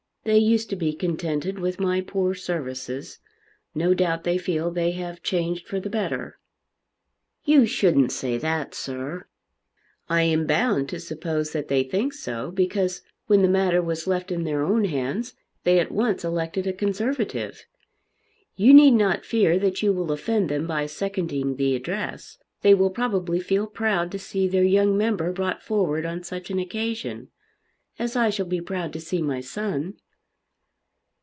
They used to be contented with my poor services. No doubt they feel they have changed for the better." "You shouldn't say that, sir." "I am bound to suppose that they think so, because when the matter was left in their own hands they at once elected a Conservative. You need not fear that you will offend them by seconding the address. They will probably feel proud to see their young member brought forward on such an occasion; as I shall be proud to see my son."